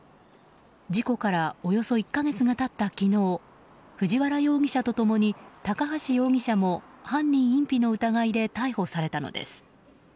事故からおよそ１か月が経った昨日藤原容疑者と共に高橋容疑者も犯人隠避の疑いで逮捕されたのです。